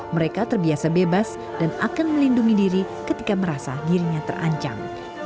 mereka terbiasa bebas dan akan melindungi diri ketika merasa dirinya terancam